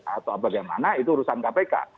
atau bagaimana itu urusan kpk